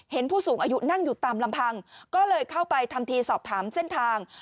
ผู้สูงอายุนั่งอยู่ตามลำพังก็เลยเข้าไปทำทีสอบถามเส้นทาง